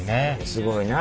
すごいな。